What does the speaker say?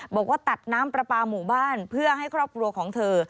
บอกว่าตัดน้ำปลาปลาหมู่บ้านเพื่อให้ครอบครัวของเธอ